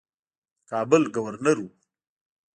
د کابل ګورنر وو.